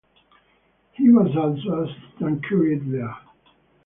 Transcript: He was also assistant curate there.